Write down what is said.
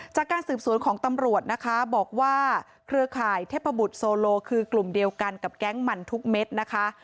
จากการสืบสวนของตำรวจนะคะบอกว่าเครือข่ายเทพบุตรโซโลคือกลุ่มเดียวกันกับแก๊งมันทุกเม็ดนะคะ